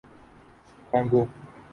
Congo